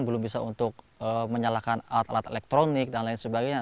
belum bisa untuk menyalakan alat alat elektronik dan lain sebagainya